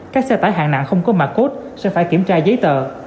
các xe tải hàng nặng không có mạc cốt sẽ phải kiểm tra giấy tờ